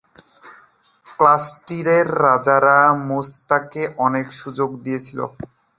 ক্যাস্টিলের রাজারা মেস্তাকে অনেক সুযোগ দিয়েছিল।